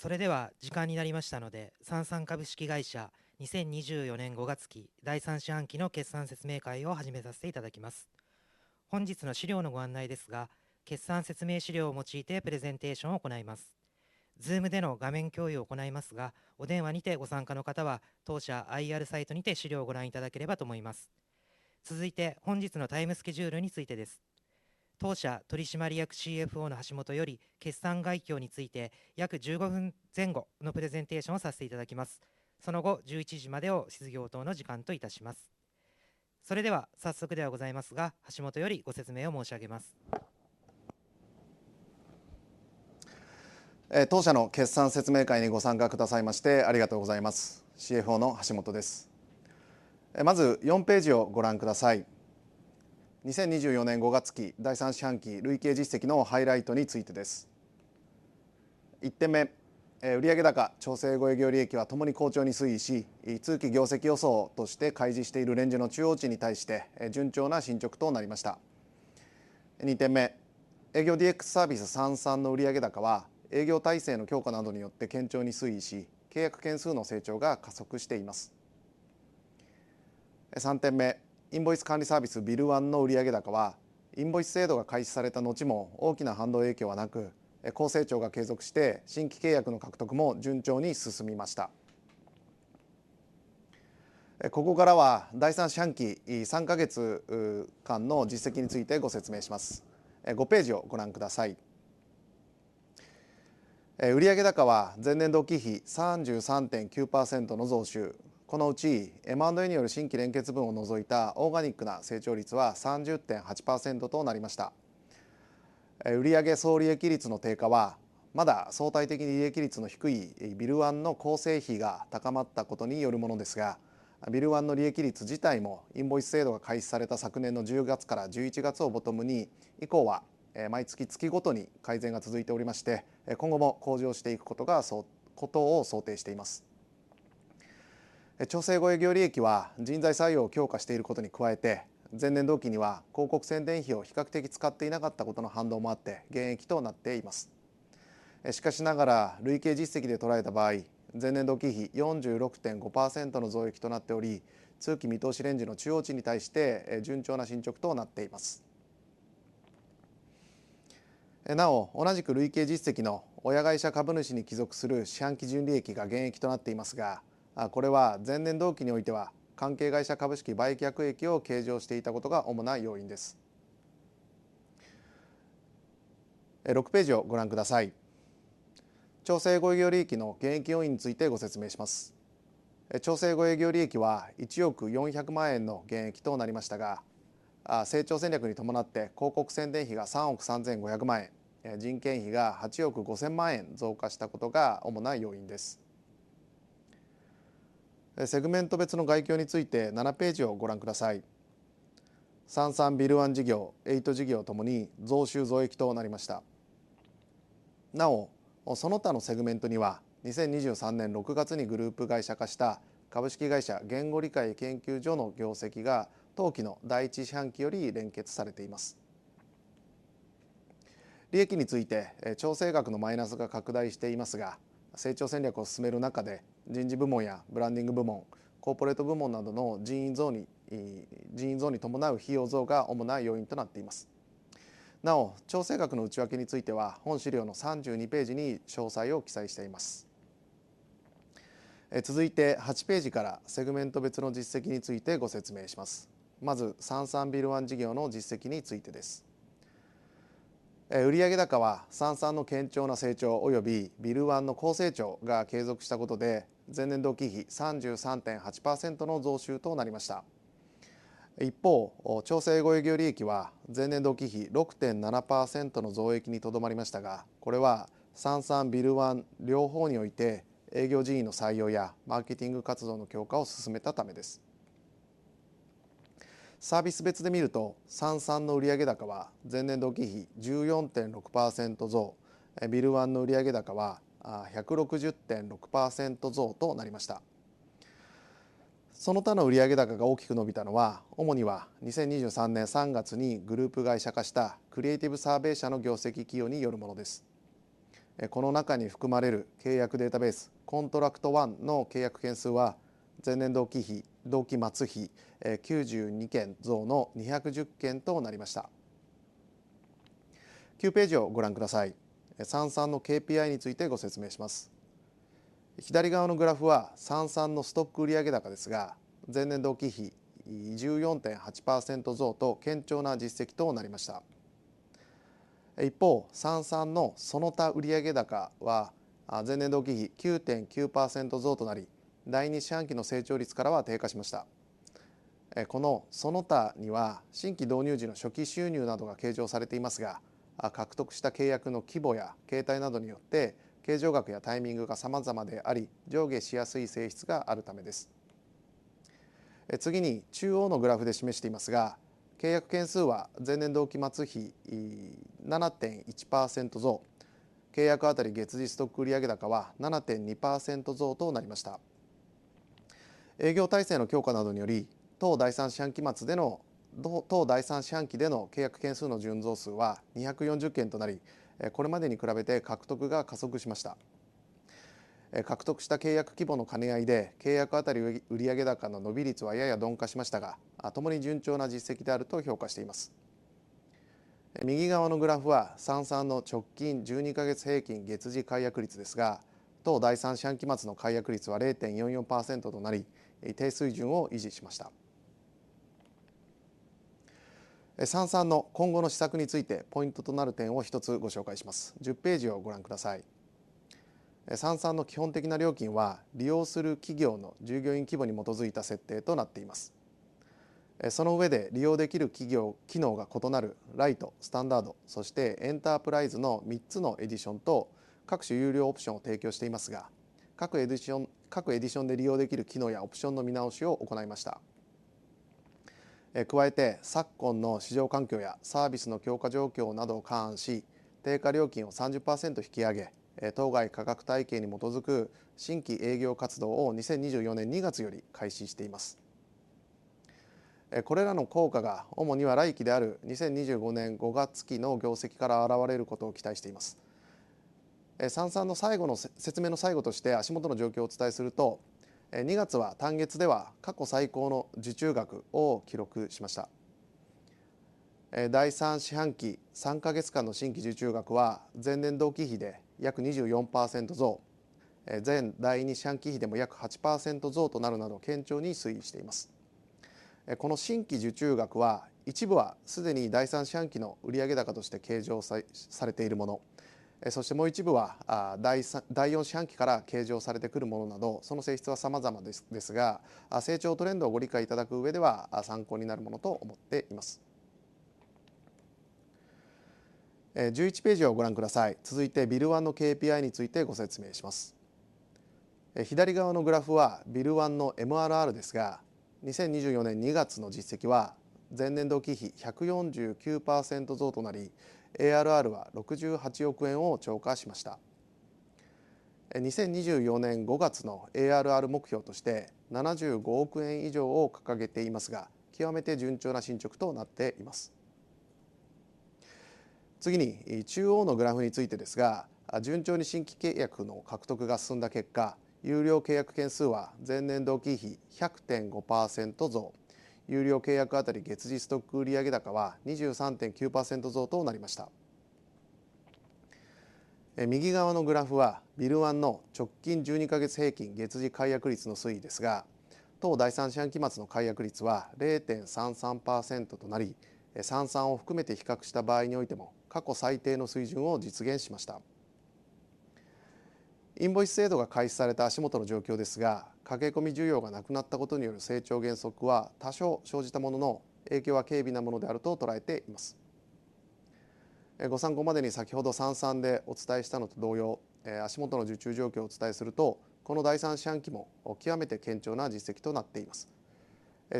それでは時間になりましたので、サンサン株式会社2024年5月期第3四半期の決算説明会を始めさせていただきます。本日の資料のご案内ですが、決算説明資料を用いてプレゼンテーションを行います。ZOOM での画面共有を行いますが、お電話にてご参加の方は当社 IR サイトにて資料をご覧いただければと思います。続いて、本日のタイムスケジュールについてです。当社取締役 CFO の橋本より、決算概況について約15分前後のプレゼンテーションをさせていただきます。その後、11時までを質疑応答の時間といたします。それでは早速ではございますが、橋本よりご説明を申し上げます。当社の決算説明会にご参加くださいまして、ありがとうございます。CFO の橋本です。まず4ページをご覧ください。2024年5月期第3四半期累計実績のハイライトについてです。1点目、売上高、調整後営業利益はともに好調に推移し、通期業績予想として開示しているレンジの中央値に対して順調な進捗となりました。2点目、営業 DX サービスサンサンの売上高は、営業体制の強化などによって堅調に推移し、契約件数の成長が加速しています。3点目、インボイス管理サービス BILLONE の売上高は、インボイス制度が開始された後も大きな反動影響はなく、高成長が継続して新規契約の獲得も順調に進みました。ここからは第3四半期3ヶ月間の実績についてご説明します。5ページをご覧ください。売上高は前年同期比 33.9% の増収。このうち M&A による新規連結分を除いたオーガニックな成長率は 30.8% となりました。売上総利益率の低下はまだ相対的に利益率の低い BILLONE の構成比が高まったことによるものですが、BILLONE の利益率自体もインボイス制度が開始された昨年の10月から11月をボトムに、以降は毎月月ごとに改善が続いておりまして、今後も向上していくことを想定しています。調整後営業利益は人材採用を強化していることに加えて、前年同期には広告宣伝費を比較的使っていなかったことの反動もあって減益となっています。しかしながら、累計実績で捉えた場合、前年同期比 46.5% の増益となっており、通期見通しレンジの中央値に対して順調な進捗となっています。なお、同じく累計実績の親会社株主に帰属する四半期純利益が減益となっていますが、これは前年同期においては関係会社株式売却益を計上していたことが主な要因です。6ページをご覧ください。調整後営業利益の減益要因についてご説明します。調整後営業利益は1億400万円の減益となりましたが、成長戦略に伴って広告宣伝費が3億 3,500 万円、人件費が8億 5,000 万円増加したことが主な要因です。セグメント別の概況について7ページをご覧ください。サンサン BILLONE 事業、エイト事業ともに増収増益となりました。なお、その他のセグメントには、2023年6月にグループ会社化した株式会社言語理解研究所の業績が当期の第1四半期より連結されています。利益について調整額のマイナスが拡大していますが、成長戦略を進める中で、人事部門やブランディング部門、コーポレート部門などの人員増に伴う費用増が主な要因となっています。なお、調整額の内訳については、本資料の32ページに詳細を記載しています。続いて、8ページからセグメント別の実績についてご説明します。まず、サンサン BILLONE 事業の実績についてです。売上高はサンサンの堅調な成長および BILLONE の高成長が継続したことで、前年同期比 33.8% の増収となりました。一方、調整後営業利益は前年同期比 6.7% の増益にとどまりましたが、これはサンサン、BILLONE 両方において営業人員の採用やマーケティング活動の強化を進めたためです。サービス別で見ると、サンサンの売上高は前年同期比 14.6% 増、BILLONE の売上高は 160.6% 増となりました。その他の売上高が大きく伸びたのは、主には2023年3月にグループ会社化したクリエイティブサーベイ社の業績寄与によるものです。この中に含まれる契約データベースコントラクト ONE の契約件数は前年同期比同期末比92件増の210件となりました。9ページをご覧ください。サンサンの KPI についてご説明します。左側のグラフはサンサンのストック売上高ですが、前年同期比 14.8% 増と堅調な実績となりました。一方、サンサンのその他売上高は前年同期比 9.9% 増となり、第2四半期の成長率からは低下しました。このその他には、新規導入時の初期収入などが計上されていますが、獲得した契約の規模や形態などによって計上額やタイミングが様々であり、上下しやすい性質があるためです。次に中央のグラフで示していますが、契約件数は前年同期末比 7.1% 増、契約あたり月次ストック売上高は 7.2% 増となりました。営業体制の強化などにより、当第3四半期末での契約件数の純増数は240件となり、これまでに比べて獲得が加速しました。獲得した契約規模の兼ね合いで、契約あたり売上高の伸び率はやや鈍化しましたが、ともに順調な実績であると評価しています。右側のグラフはサンサンの直近12ヶ月平均月次解約率ですが、当第3四半期末の解約率は 0.44% となり、低水準を維持しました。サンサンの今後の施策について、ポイントとなる点を一つご紹介します。10ページをご覧ください。サンサンの基本的な料金は、利用する企業の従業員規模に基づいた設定となっています。その上で利用できる企業機能が異なるライト、スタンダード、そしてエンタープライズの3つのエディションと各種有料オプションを提供していますが、各エディションで利用できる機能やオプションの見直しを行いました。加えて、昨今の市場環境やサービスの強化状況などを勘案し、定価料金を 30% 引き上げ、当該価格体系に基づく新規営業活動を2024年2月より開始しています。これらの効果が主には来期である2025年5月期の業績から表れることを期待しています。サンサンの最後の説明の最後として、足元の状況をお伝えすると、2月は単月では過去最高の受注額を記録しました。第3四半期3ヶ月間の新規受注額は前年同期比で約 24% 増、前第2四半期比でも約 8% 増となるなど、堅調に推移しています。この新規受注額は、一部はすでに第3四半期の売上高として計上されているもの、そしてもう一部は第4四半期から計上されてくるものなど、その性質は様々ですが、成長トレンドをご理解いただく上では参考になるものと思っています。11ページをご覧ください。続いて、BILL ONE の KPI についてご説明します。左側のグラフは BILL ONE の MRR ですが、2024年2月の実績は前年同期比 149% 増となり、ARR は68億円を超過しました。2024年5月の ARR 目標として75億円以上を掲げていますが、極めて順調な進捗となっています。次に、中央のグラフについてですが、順調に新規契約の獲得が進んだ結果、有料契約件数は前年同期比 100.5% 増、有料契約あたり月次ストック売上高は 23.9% 増となりました。右側のグラフは BILL ONE の直近12ヶ月平均月次解約率の推移ですが、当第3四半期末の解約率は 0.33% となり、サンサンを含めて比較した場合においても、過去最低の水準を実現しました。インボイス制度が開始された足元の状況ですが、駆け込み需要がなくなったことによる成長減速は多少生じたものの、影響は軽微なものであると捉えています。ご参考までに、先ほどサンサンでお伝えしたのと同様、足元の受注状況をお伝えすると、この第3四半期も極めて堅調な実績となっています。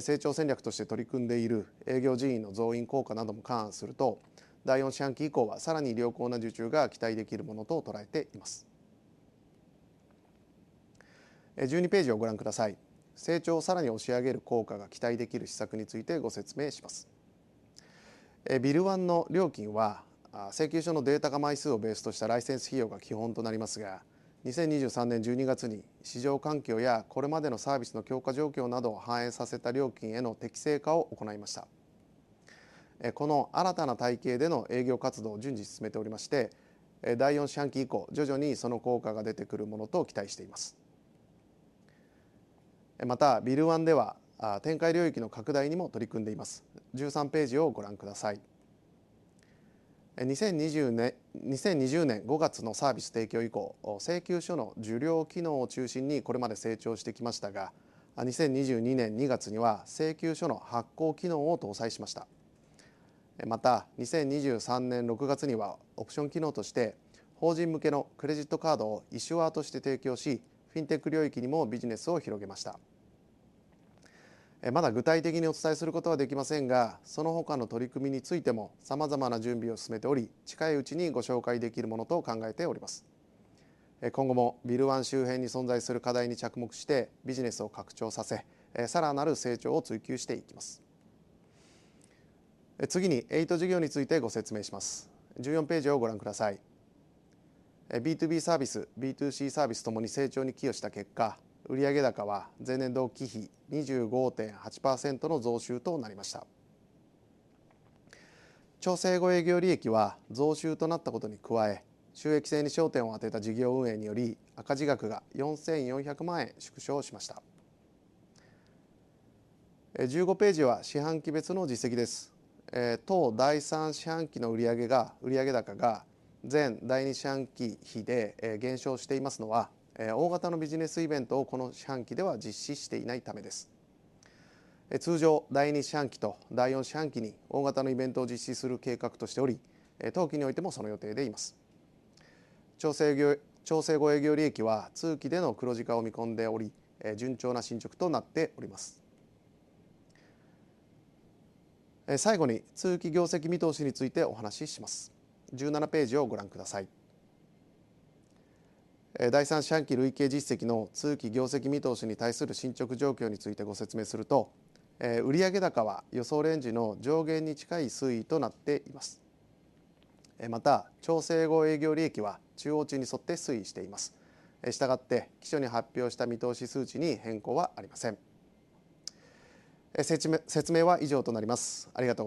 成長戦略として取り組んでいる営業人員の増員効果なども勘案すると、第4四半期以降はさらに良好な受注が期待できるものと捉えています。12ページをご覧ください。成長をさらに押し上げる効果が期待できる施策についてご説明します。BILL ONE の料金は、請求書のデータ化枚数をベースとしたライセンス費用が基本となりますが、2023年12月に市場環境やこれまでのサービスの強化状況などを反映させた料金への適正化を行いました。この新たな体系での営業活動を順次進めておりまして、第4四半期以降、徐々にその効果が出てくるものと期待しています。また、BILL ONE では展開領域の拡大にも取り組んでいます。13ページをご覧ください。2020年5月のサービス提供以降、請求書の受領機能を中心にこれまで成長してきましたが、2022年2月には請求書の発行機能を搭載しました。また、2023年6月にはオプション機能として法人向けのクレジットカードをイシュアとして提供し、フィンテック領域にもビジネスを広げました。まだ具体的にお伝えすることはできませんが、その他の取り組みについても様々な準備を進めており、近いうちにご紹介できるものと考えております。今後も BILL ONE 周辺に存在する課題に着目してビジネスを拡張させ、さらなる成長を追求していきます。次に、エイト事業についてご説明します。14ページをご覧ください。BtoB サービス、BtoC サービスともに成長に寄与した結果、売上高は前年同期比 25.8% の増収となりました。調整後、営業利益は増収となったことに加え、収益性に焦点を当てた事業運営により赤字額が 4,400 万円縮小しました。15ページは四半期別の実績です。当第3四半期の売上高が前第2四半期比で減少していますのは、大型のビジネスイベントをこの四半期では実施していないためです。通常、第2四半期と第4四半期に大型のイベントを実施する計画としており、当期においてもその予定でいます。調整後、営業利益は通期での黒字化を見込んでおり、順調な進捗となっております。最後に、通期業績見通しについてお話しします。17ページをご覧ください。第3四半期累計実績の通期業績見通しに対する進捗状況についてご説明すると、売上高は予想レンジの上限に近い推移となっています。また、調整後営業利益は中央値に沿って推移しています。したがって、期初に発表した見通し数値に変更はありません。説明は以上となります。ありがとうございました。